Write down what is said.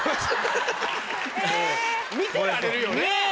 見てられるよね！